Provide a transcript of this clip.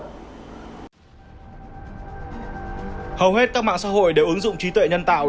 hầu hết các mạng xã hội đều ứng dụng trí tuệ nhân tạo